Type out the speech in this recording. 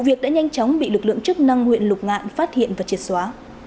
việc đã nhanh chóng bị lực lượng chức năng huyện lục ngạn phát hiện và triệt xóa